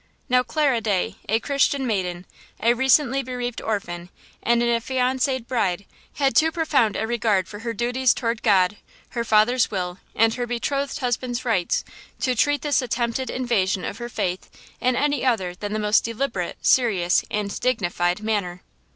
Now, Clara Day, a Christian maiden, a recently bereaved orphan and an affianced bride, had too profound a regard for her duties toward God, her father's will and her betrothed husband's rights to treat this attempted invasion of her faith in any other than the most deliberate, serious and dignified manner.